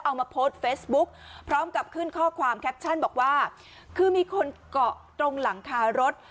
เอามาโพสต์เฟซบุ๊คพร้อมกับขึ้นข้อความแคปชั่นบอกว่าคือมีคนเกาะตรงหลังคารถ